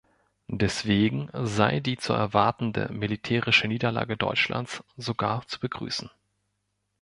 Deswegen sei die zu erwartende militärische Niederlage Deutschlands sogar zu begrüßen.